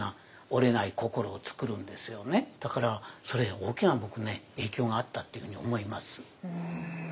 だからそれ大きな僕ね影響があったっていうふうに思います。